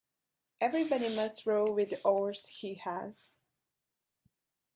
Everybody must row with the oars he has.